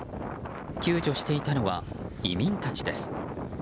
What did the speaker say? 救助していたのは移民たちです。